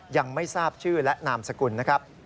ยังไม่ทราบชื่อและนามสกุลนะครับ